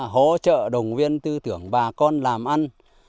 hỗ trợ đồng viên tư tưởng bà con làm ăn